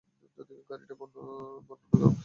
গাড়িটার বর্ণনা দে।